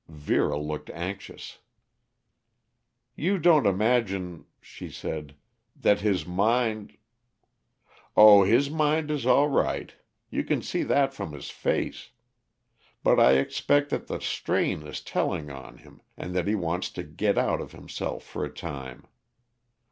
Vera looked anxious. "You don't imagine," she said, "that his mind " "Oh, his mind is all right. You can see that from his face. But I expect that the strain is telling on him, and that he wants to get out of himself for a time.